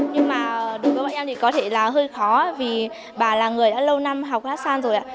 nhưng mà đối với bọn em thì có thể là hơi khó vì bà là người đã lâu năm học hát xoan rồi ạ